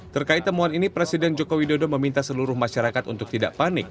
terkait temuan ini presiden joko widodo meminta seluruh masyarakat untuk tidak panik